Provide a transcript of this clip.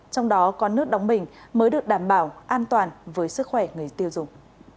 trong đó có nước đóng bình mới được đảm bảo an toàn với sức khỏe người tiêu dùng